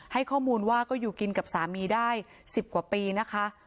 ให้ข้อมูลว่าก็อยู่กินกับสามีได้๑๐กว่าปีนะคะ